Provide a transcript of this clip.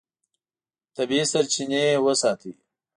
طبیعي سرچینې وساتئ.